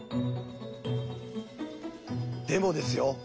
でもですよ